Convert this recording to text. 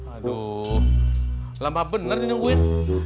aduh lama bener nih nungguin